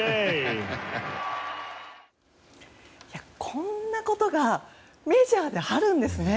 こんなことがメジャーであるんですね。